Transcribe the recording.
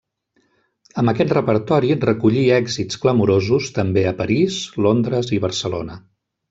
Amb aquest repertori recollí èxits clamorosos també a París, Londres i Barcelona.